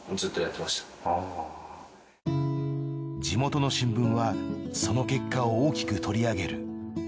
地元の新聞はその結果を大きく取り上げる。